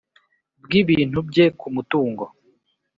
bw ibintu bye ku mutungo